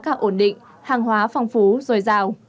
giá cả ổn định hàng hóa phong phú dồi dào